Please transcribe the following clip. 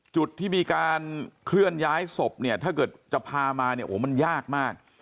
จุดที่มีการเคลื่อนย้ายศพเนี่ยถ้าเกิดจะพามาเนี่ยโอ้โหมันยากมาก